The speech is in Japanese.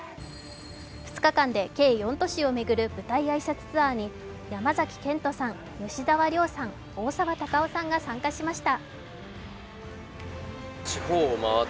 ２日間で計４都市を巡る舞台挨拶ツアーに山崎賢人さん、吉沢亮さん、大沢たかおさんが参加しました。